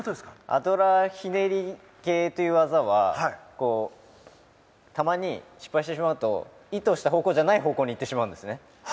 アドラーひねり系という技はたまに、失敗してしまうと意図した方向じゃない方向に行ってしまうんですね。